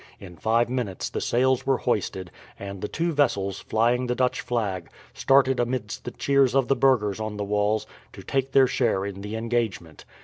In five minutes the sails were hoisted, and the two vessels, flying the Dutch flag, started amidst the cheers of the burghers on the walls to take their share in the engagement.